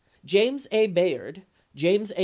James A. Bayard, James A.